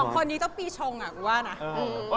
สองคนนี้ต้องปีชงอ่ะผมว่านะ